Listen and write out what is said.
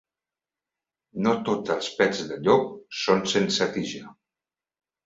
No tots els pets de llop són sense tija.